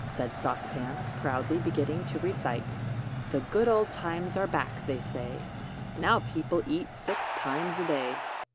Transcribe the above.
said Sauce Pan, proudly, beginning to recite: "'The good old times are back, they say; Now, people eat six times a day.